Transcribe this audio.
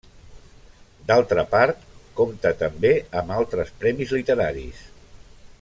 D'altra part, compta també amb altres premis literaris.